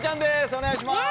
お願いします。